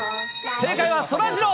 正解はそらジロー。